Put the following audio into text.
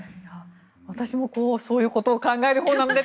私もそういうことを考えるほうなんです。